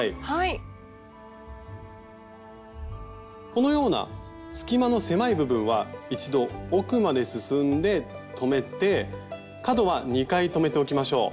このような隙間の狭い部分は一度奥まで進んで留めて角は２回留めておきましょう。